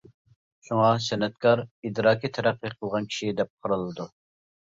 شۇڭا، سەنئەتكار ئىدراكى تەرەققىي قىلغان كىشى دەپ قارىلىدۇ.